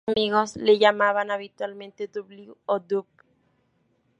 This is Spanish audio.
Sus amigos le llamaban habitualmente "W" o "Dub".